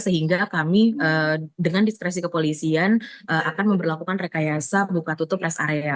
sehingga kami dengan diskresi kepolisian akan memperlakukan rekayasa buka tutup rest area